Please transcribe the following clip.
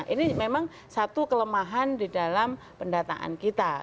ini memang satu kelemahan di dalam pendataan kita